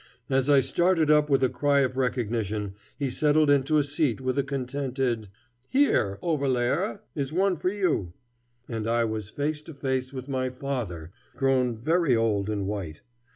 As I started up with a cry of recognition, he settled into a seat with a contented "Here, Overlaerer, is one for you," and I was face to face with my father, grown very old and white.